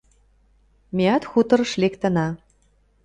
Меат хуторыш лектына.